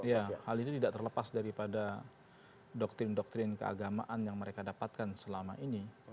ya hal itu tidak terlepas daripada doktrin doktrin keagamaan yang mereka dapatkan selama ini